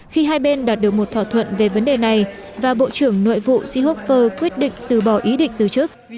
khi hai bên đạt được một thỏa thuận về vấn đề này và bộ trưởng nội vụ seehopher quyết định từ bỏ ý định từ chức